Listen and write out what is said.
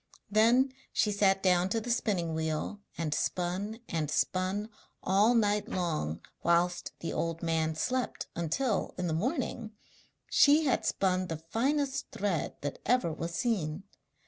Then she sat down to the spinning wheel and spun and spun all night long whilst the old man slept, until, in the morning, she had spun the finest thread that ever was seen.